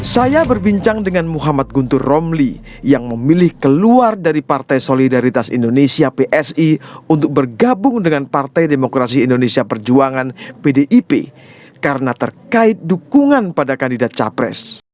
saya berbincang dengan muhammad guntur romli yang memilih keluar dari partai solidaritas indonesia psi untuk bergabung dengan partai demokrasi indonesia perjuangan pdip karena terkait dukungan pada kandidat capres